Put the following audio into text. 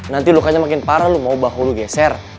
nanti lukanya makin parah lo mau bahu lo geser